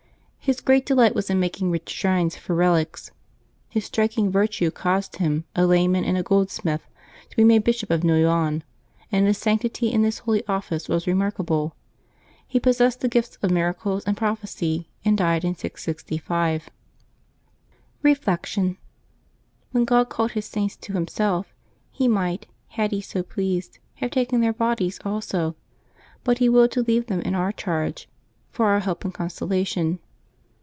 His great delight was in making rich shrines for relics. His striking virtue caused him, a layman and a goldsmith, to be made Bishop of Noyon, and his sanctity in this holy office was remark able. He possessed the gifts of miracles and prophecy, and died in 665. Reflection. — ^When God called His Saints to Himself, He might, had He so pleased, have taken their bodies also ; but He willed to leave them in our charge, for our help and consolation.